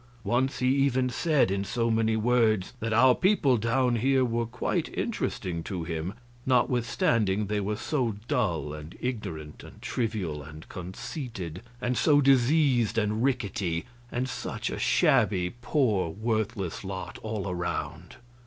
Once he even said, in so many words, that our people down here were quite interesting to him, notwithstanding they were so dull and ignorant and trivial and conceited, and so diseased and rickety, and such a shabby, poor, worthless lot all around.